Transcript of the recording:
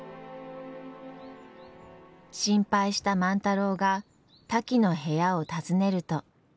心配した万太郎がタキの部屋を訪ねると。